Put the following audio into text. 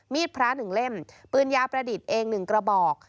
พระ๑เล่มปืนยาประดิษฐ์เอง๑กระบอก